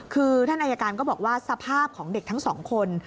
คือท่านอายการก็บอกว่าสภาพของเด็กทั้งสองคน